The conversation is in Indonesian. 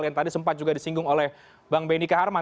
yang tadi sempat juga disinggung oleh bang benny kaharman